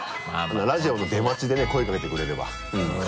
ラジオの出待ちでね声かけてくれれば。